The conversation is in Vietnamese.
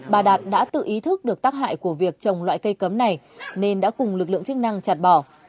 bà đạt đã tự ý thức được tác hại của việc trồng loại cây cấm này nên đã cùng lực lượng chức năng chặt bỏ